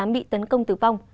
bị tấn công tử vong